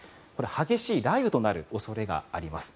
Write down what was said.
激しい雷雨となる恐れがあります。